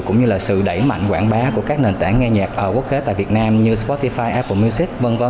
cũng như là sự đẩy mạnh quảng bá của các nền tảng nghe nhạc quốc tế tại việt nam như sportify apple music v v